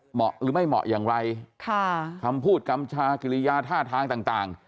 หรือไม่เหมาะอย่างไรค่ะคำพูดกำชากิริยาท่าทางต่าง